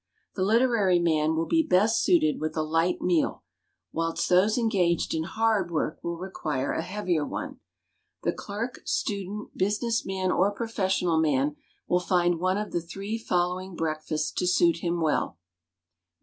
The literary man will best be suited with a light meal, whilst those engaged in hard work will require a heavier one. The clerk, student, business man, or professional man, will find one of the three following breakfasts to suit him well: No.